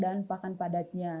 dan pakan padatnya